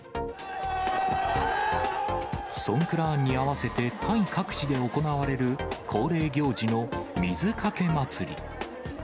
ソンクラーンに合わせてタイ各地で行われる、恒例行事の水かけ祭り。